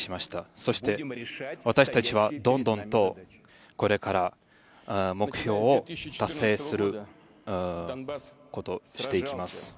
そして、私たちはどんどんとこれから目標を達成していきます。